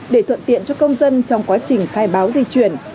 để thuận tiện cho công dân trong quá trình khai báo di chuyển